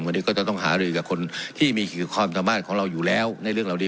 วันนี้ก็จะต้องหารือกับคนที่มีความสามารถของเราอยู่แล้วในเรื่องเหล่านี้